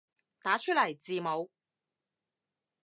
打出來字母